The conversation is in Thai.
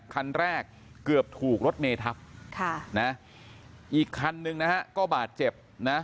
คันแรกเกือบถูกรถเมทับค่ะนะอีกคันนึงนะฮะก็บาดเจ็บนะ